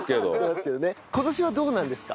今年はどうなんですか？